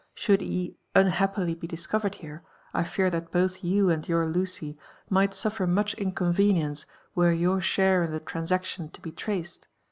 Should he unhappily be discovered here, I fear that both you and your Lucy might sufler much inconvenience were your share in the transaction to be traced.